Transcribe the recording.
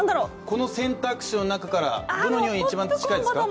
この選択肢の中から、どのにおいが近いですか？